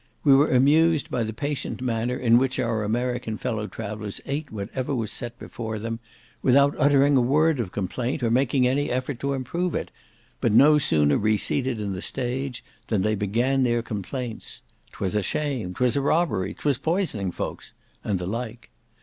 We were amused by the patient manner in which our American fellow travellers ate whatever was set before them, without uttering a word of complaint, or making any effort to improve it, but no sooner reseated in the stage, than they began their complaints—"twas a shame"—"twas a robbery"—"twas poisoning folks"—and the like.